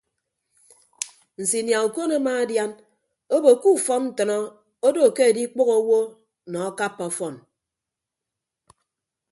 Nsinia okon amaadian obo ke ufọn ntʌnọ odo ke adikpʌghọ owo nọ akappa ọfọn.